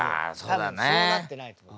多分そうなってないと思う。